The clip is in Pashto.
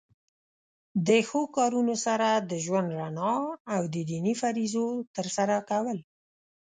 د ښو کارونو سره د ژوند رڼا او د دینی فریضو تر سره کول.